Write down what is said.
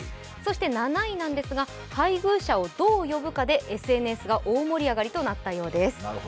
そして７位なんですが、配偶者をどう呼ぶかでＳＮＳが大盛り上がりとなったようです。